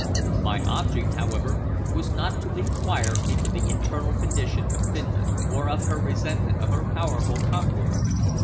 My object, however, was not to inquire into the internal condition of Finland, or of her resentment of her powerful conqueror.